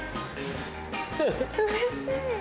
うれしい。